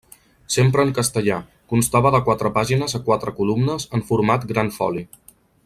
Sempre en castellà, constava de quatre pàgines a quatre columnes, en format gran foli.